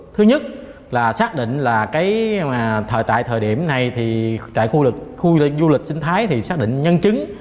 thứ nhất là xác định là cái mà tại thời điểm này thì tại khu du lịch sinh thái thì xác định nhân chứng